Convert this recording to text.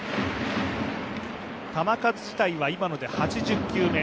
球数自体は、今ので８０球目。